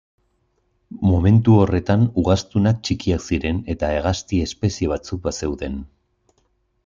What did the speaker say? Momentu horretan ugaztunak txikiak ziren eta hegazti espezie batzuk bazeuden.